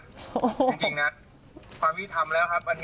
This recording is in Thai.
จริงนะความวิธีทำแล้วครับ